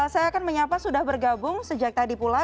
saya akan menyapa sudah bergabung sejak tadi pula